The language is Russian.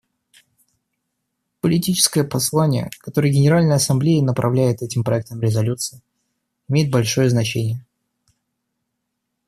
Политическое послание, которое Генеральная Ассамблея направляет этим проектом резолюции, имеет большое значение.